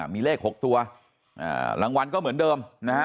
มีเลข๖ตัวรางวัลก็เหมือนเดิมนะฮะ